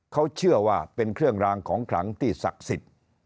เขาเชื่อว่าเป็นเครื่องรางของขลังที่ศักดิ์สิทธิ์